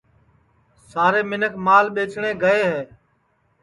سارے منکھ مال ٻیجٹؔے گئے ہے